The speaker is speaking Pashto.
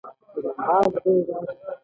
یوه برخه یې له ثابتې پانګې سره یوځای کوي